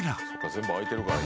全部開いてるから。